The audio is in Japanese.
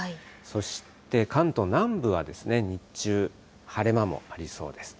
そして関東南部は日中、晴れ間もありそうです。